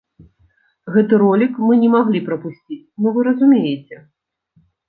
Гэты ролік мы не маглі прапусціць, ну вы разумееце!